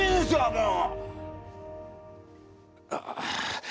もう！